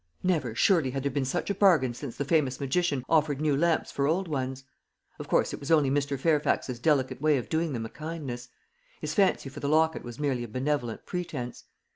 Never, surely, had there been such a bargain since the famous magician offered new lamps for old ones. Of course, it was only Mr. Fairfax's delicate way of doing them a kindness; his fancy for the locket was merely a benevolent pretence.